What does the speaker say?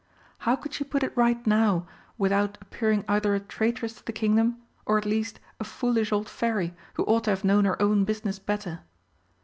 How could she put it right now without appearing either a traitress to the Kingdom, or at least a foolish old Fairy who ought to have known her own business better?